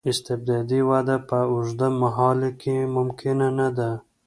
استبدادي وده په اوږد مهال کې ممکنه نه ده.